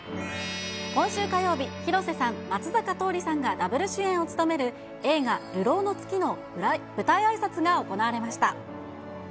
今週火曜日、広瀬さん、松坂桃李さんがダブル主演を務める映画、流浪の月の舞台あいさつが行われました。